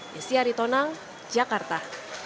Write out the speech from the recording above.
yesyari tonang jakarta